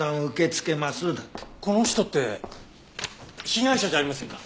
この人って被害者じゃありませんか？